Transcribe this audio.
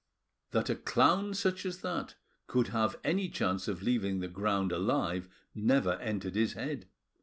That a clown such as that could have any chance of leaving the ground alive never entered his head.